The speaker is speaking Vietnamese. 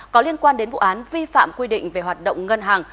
có liên quan đến vụ án vi phạm quy định về hoạt động ngân hàng